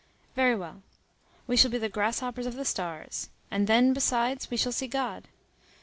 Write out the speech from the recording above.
Very well. We shall be the grasshoppers of the stars. And then, besides, we shall see God.